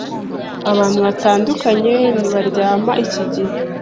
abantu batandukanye ntibaryama ikigihe